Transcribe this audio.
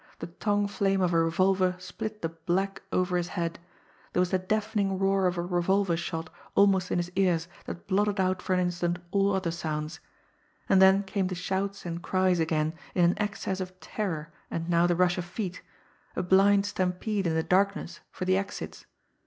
The tongue flame of a revolver split the black over his head; there was the deafening roar of a revolver shot almost in his ears that blotted out for an instant all other sounds and then came the shouts and cries again in an access of terror and now the rush of feet a blind stampede in the darkness for the exits.